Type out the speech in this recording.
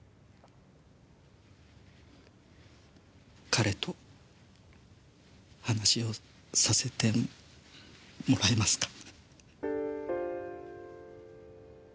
彼と話をさせてもらえますか？